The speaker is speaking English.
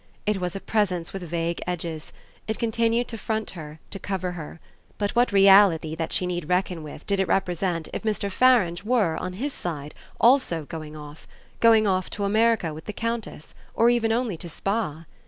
It was a presence with vague edges it continued to front her, to cover her. But what reality that she need reckon with did it represent if Mr. Farange were, on his side, also going off going off to America with the Countess, or even only to Spa?